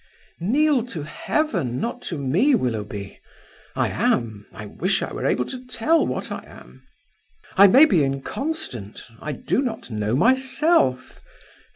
"Kneel to Heaven, not to me, Willoughby. I am I wish I were able to tell what I am. I may be inconstant; I do not know myself.